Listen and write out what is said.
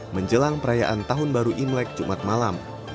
menjelang perayaan tahun baru imlek jumat malam